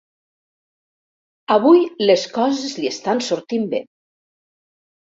Avui les coses li estan sortint bé.